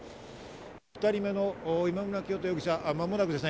２人目の今村磨人容疑者、間もなくですね。